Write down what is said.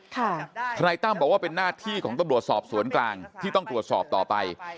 ทนายตั้มบอกว่าเป็นหน้าที่ของตำรวจสอบสวนกลางที่ต้องตรวจสอบต่อไป